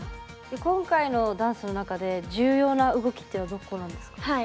今回のダンスの中で重要な動きっていうのはどこなんですか？